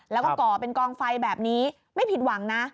แล้วก็ก่อเป็นกองไฟแบบนี้ไม่ผิดหวังนะ